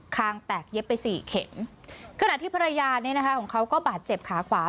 คางแตกเย็บไปสี่เข็มขณะที่ภรรยาเนี่ยนะคะของเขาก็บาดเจ็บขาขวา